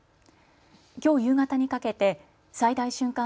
きょう夕方にかけて最大瞬間